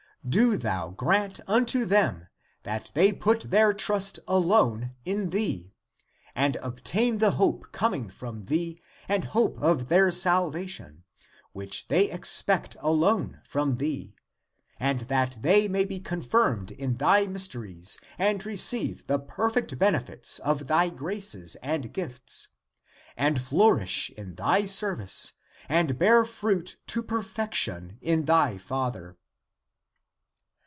Do thou grant unto them that they put their trust alone in thee, and obtain the hope coming from thee and hope of their salvation, which they expect alone from thee, and that they may be confirmed in thy mysteries and receive the perfect benefits of thy graces and gifts, and flourish in thy 246 THE APOCRYPHAL ACTS service and bear fruit to perfection in thy Father."